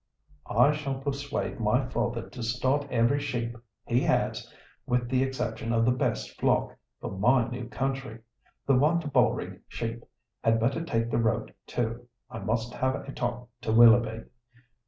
"I shall persuade my father to start every sheep he has, with the exception of the best flock, for my new country. The Wantabalree sheep had better take the road too. I must have a talk to Willoughby."